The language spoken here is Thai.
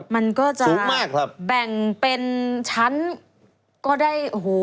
มันก็จะแบ่งเป็นชั้นก็ได้โอ้โห